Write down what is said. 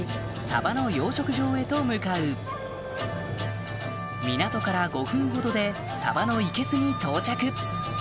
サバの養殖場へと向かう港から５分ほどでサバのいけすに到着